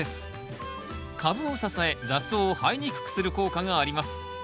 株を支え雑草を生えにくくする効果があります。